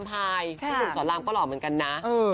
พี่หนุ่มสอนรามก็หล่อเหมือนกันนะ